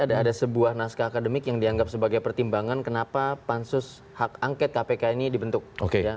jadi ada sebuah naskah akademik yang dianggap sebagai pertimbangan kenapa pansus angket kpk ini dibentuk